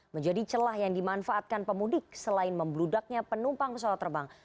menjadi celah yang dimanfaatkan pemudik selain membludaknya penumpang pesawat terbang